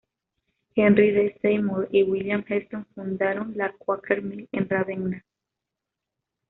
Henry D. Seymour y William Heston fundaron la Quaker Mill en Ravenna.